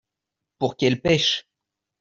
pour qu'elle pêche.